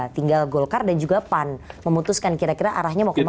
tinggal golkar dan juga pan memutuskan kira kira arahnya mau kemana